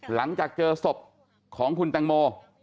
หลังจากเจอศพของคุณแตงโม